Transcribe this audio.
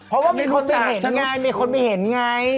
เพราะว่ามีคนมาเห็นไง